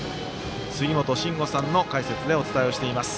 杉本真吾さんの解説でお伝えをしています。